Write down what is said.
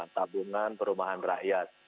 tabungan perumahan rakyat